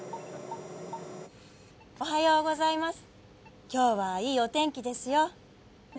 おはようございます、今日はいいお天気ですよ。